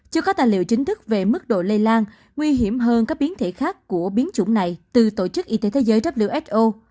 chưa có tài liệu chính thức về mức độ lây lan nguy hiểm hơn các biến thể khác của biến chủng này từ tổ chức y tế thế giới who